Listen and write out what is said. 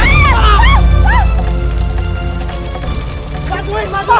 tidak bisa pak